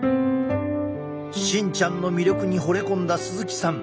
芯ちゃんの魅力にほれ込んだ鈴木さん